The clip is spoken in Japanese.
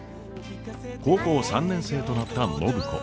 高校３年生となった暢子。